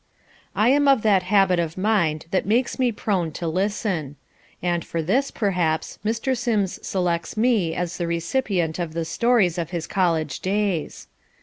I am of that habit of mind that makes me prone to listen. And for this, perhaps, Mr. Sims selects me as the recipient of the stories of his college days.